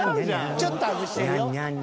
［ちょっと外してるよ］